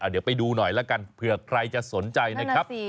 เดี๋ยวไปดูหน่อยแล้วกันเผื่อใครจะสนใจนะครับ